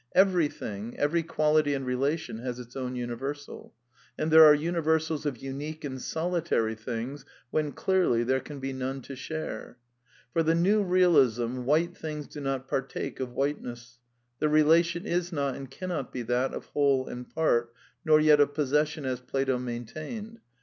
Every thing, every quality and relation has \ its own universal ; and there are universals of unique andr\ solitary things, when, clearly, there can be none to share. For the New Realism white things do not partake of whiteness ; the relation is not and cannot be that of whole and part, nor yet of possession as Plato maintained.